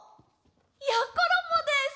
やころもです！